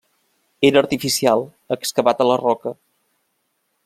Era artificial, excavat a la roca.